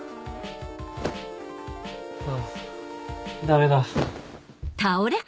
あダメだ。